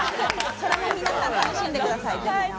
それも楽しんでください。